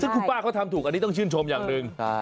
ซึ่งคุณป้าเขาทำถูกอันนี้ต้องชื่นชมอย่างหนึ่ง